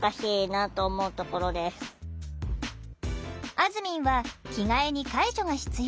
あずみんは着替えに介助が必要。